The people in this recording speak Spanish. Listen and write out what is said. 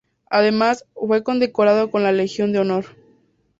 Además, fue condecorado con la Legión de Honor.